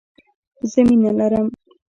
زه مينه لرم